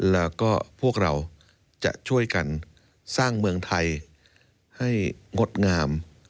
แล้วก็พวกเราจะช่วยกันสร้างเมืองไทยให้งดงาม